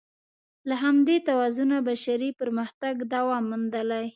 له همدې توازنه بشري پرمختګ دوام موندلی.